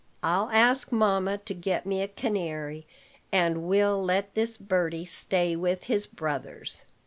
I'll ask mamma to get me a canary, and will let this birdie stay with his brothers."